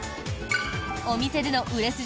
お店での売れ筋